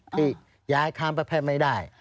ที่ย้ายข้ามประเทศไม่ได้